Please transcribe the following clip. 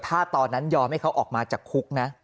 ถ้าตอนนั้นยอมให้เขาออกมาจากคุกนะ